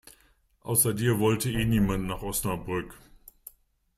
Außer dir wollte eh niemand nach Osnabrück.